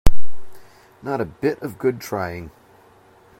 Not a bit of good trying.